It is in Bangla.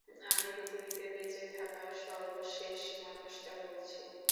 আমি পৃথিবীতে বেঁচে থাকা সর্বশেষ মানুষটা বলছি!